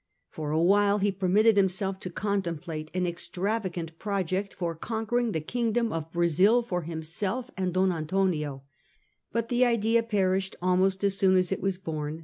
For a while he permitted himself to contemplate an extravagant project for conquering the kingdom of Brazil for himself and Don Antonio, but the idea perished almost as soon as it was bom.